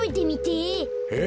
え？